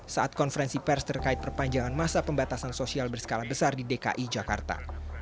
saat konferensi pers terkait perpanjangan masa pembatasan sosial berskala besar di dki jakarta